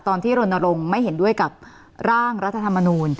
ตอนที่รณรงค์ไม่เห็นด้วยกับร่างรัฐธรรมนูล